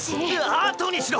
あとにしろ。